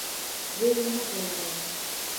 دوی مه ځوروئ